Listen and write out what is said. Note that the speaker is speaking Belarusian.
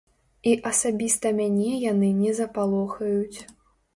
І асабіста мяне яны не запалохаюць.